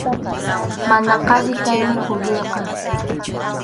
Mana qasi kaymi kuyuyqa.